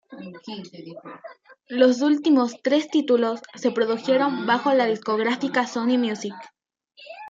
Los últimos tres títulos se produjeron bajo la discográfica Sony Music.